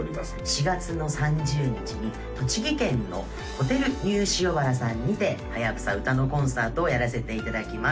４月の３０日に栃木県のホテルニュー塩原さんにてはやぶさ「歌のコンサート」をやらせていただきます